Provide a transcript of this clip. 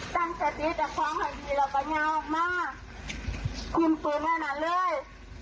ตั้งสติแต่ความหันดีแล้วก็งานออกมาหิมปืนไว้นั่นเลย